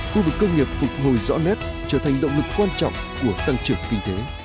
khu vực công nghiệp phục hồi rõ nét trở thành động lực quan trọng của tăng trưởng kinh tế